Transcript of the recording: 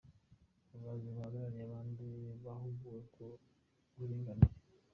Abayobozi bahagarariye abandi bahuguwe ku buringanire